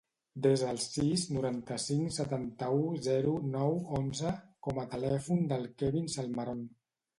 Desa el sis, noranta-cinc, setanta-u, zero, nou, onze com a telèfon del Kevin Salmeron.